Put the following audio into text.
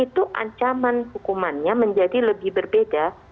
itu ancaman hukumannya menjadi lebih berbeda